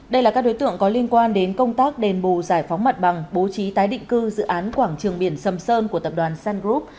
đây là các đối tượng có liên quan đến công tác đền bù giải phóng mặt bằng bố trí tái định cư dự án quảng trường biển sầm sơn của tập đoàn sun group